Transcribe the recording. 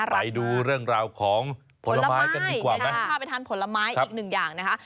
ไปดูเรื่องราวของผลไม้กันดีกว่าไหมฉันพาไปทานผลไม้อีกหนึ่งอย่างนะคะ